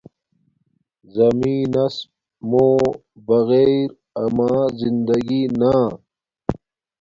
زمین نس مُو بغیر اما زندگی نا